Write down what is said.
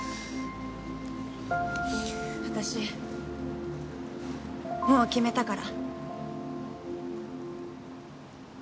私もう決めたから。